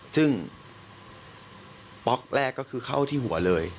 ซึ่งป๊อกแรกก็คือเข้าที่หัวเลย